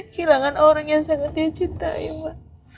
kelangan orang yang sangat dia cintai ma